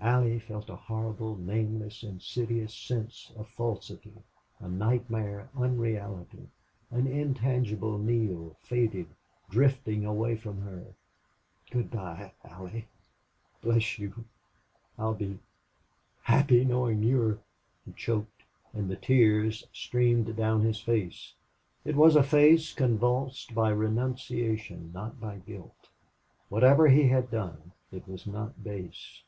Allie felt a horrible, nameless, insidious sense of falsity a nightmare unreality an intangible Neale, fated, drifting away from her. "Good bye Allie!... Bless you! I'll be happy knowing you're " He choked, and the tears streamed down his face. It was a face convulsed by renunciation, not by guilt. Whatever he had done, it was not base.